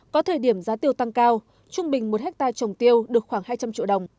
có thời điểm giá tiêu tăng cao trung bình một hectare trồng tiêu được khoảng hai trăm linh triệu đồng